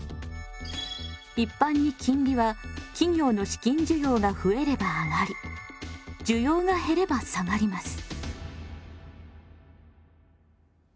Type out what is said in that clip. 一般に金利は企業の資金需要が増えれば上がり需要が減れば下がります。